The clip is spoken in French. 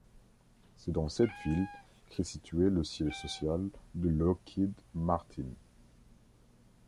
C'est dans cette ville qu'est situé le siège social de Lockheed Martin.